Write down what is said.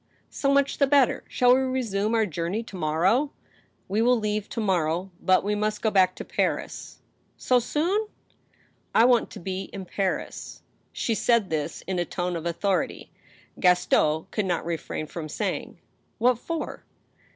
"So much the better. Shall we resume our journey to mor row?" " We will leave to morrow, but we must go back to Paris." "So soon?" " I want to be in Paris." She said this in a tone of authority. Gaston could not refrain from saying : "What for?"